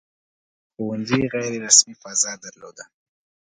• ښوونځي غیر رسمي فضا درلوده.